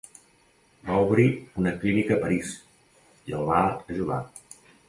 Va obrir una clínica a París i el va ajudar.